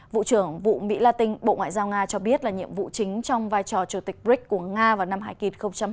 vụ trưởng vụ mỹ latin bộ ngoại giao nga cho biết là nhiệm vụ chính trong vai trò chủ tịch bric của nga vào năm hải kỳ hai nghìn hai mươi bốn